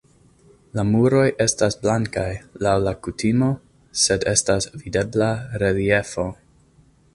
La muroj estas blankaj laŭ la kutimo, sed estas videbla reliefo.